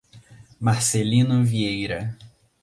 Marcelino Vieira